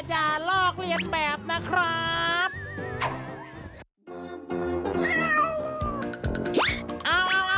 อย่าลอกเรียนแบบนะคะ